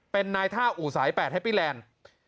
เป็นนายท่าอู่สาย๘แฮปปี้แลนด์